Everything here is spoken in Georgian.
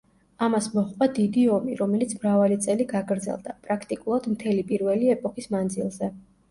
ამას მოჰყვა დიდი ომი, რომელიც მრავალი წელი გაგრძელდა, პრაქტიკულად, მთელი პირველი ეპოქის მანძილზე.